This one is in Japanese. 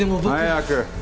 早く。